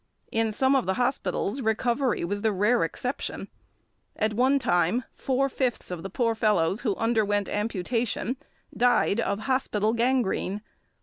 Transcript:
In some of the hospitals recovery was the rare exception. At one time four fifths of the poor fellows who underwent amputation died of hospital gangrene.